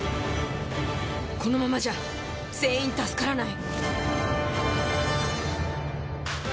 このままじゃ全員助からない。